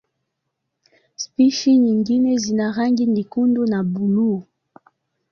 Spishi nyingine zina rangi nyekundu na buluu.